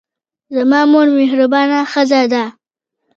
زما مور مهربانه ښځه ده.